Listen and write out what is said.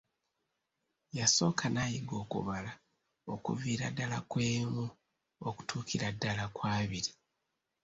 Yasooka n'ayiga okubala okuviira ddala ku emu okutuukira ddala ku abiri.